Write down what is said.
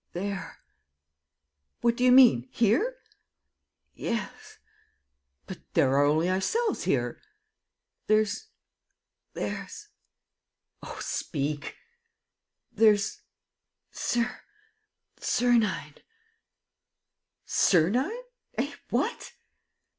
"There. ..." "What do you mean? Here?" "Yes." "But there are only ourselves here!" "There's ... there's ..." "Oh, speak!" "There's ... Ser ... Sernine." "Sernine! ... Eh, what?"